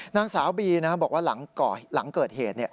นางสาวบีบอกว่าหลังเกิดเหตุ